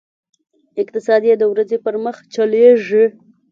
اقتصاد یې د ورځې پر مخ چلېږي.